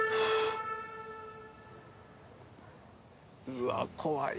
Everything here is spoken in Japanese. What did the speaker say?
うわっ怖い。